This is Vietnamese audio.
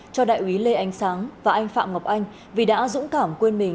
cho đại úy lê ánh sáng và anh phạm ngọc anh vì đã dũng cảm quên mình